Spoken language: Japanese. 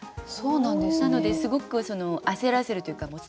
なのですごく焦らせるというかもう「ＳＴＯＰ！」